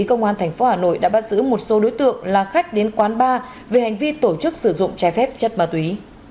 công an tp hà nội đã bắt giữ một số đối tượng là khách đến quán bar về hành vi tổ chức sử dụng trái phép chất ma túy